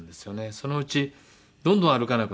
そのうちどんどん歩かなくなっちゃって。